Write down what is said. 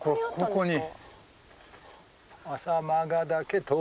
ここに。